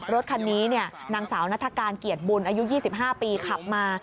รถคันนี้นางสาวนัฐกาลเกียรติบุญอายุ๒๕ปีขับมา